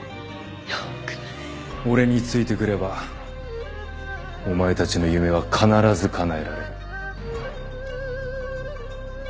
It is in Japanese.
俺についてくればお前たちの夢は必ずかなえられる